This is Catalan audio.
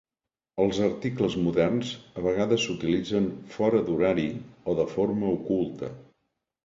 Els articles moderns a vegades s'utilitzen "fora d'horari" o de forma oculta.